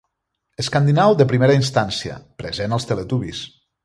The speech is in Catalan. Escandinau de primera instància, present als Teletubbies.